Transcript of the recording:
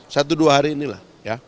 satu dua hari inilah